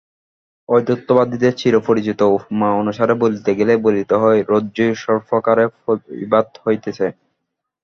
অদ্বৈতবাদীদের চিরপরিচিত উপমা অনুসারে বলিতে গেলে বলিতে হয়, রজ্জুই সর্পাকারে প্রতিভাত হইতেছে।